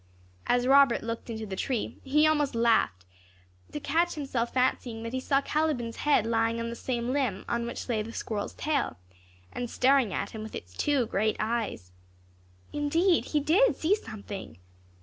As Robert looked into the tree, he almost laughed to catch himself fancying that he saw Caliban's head lying on the same limb on which lay the squirrel's tail, and staring at him with its two great eyes. Indeed he did see something.